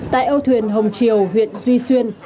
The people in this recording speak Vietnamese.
tại âu thuyền hồng triều huyện duy xuyên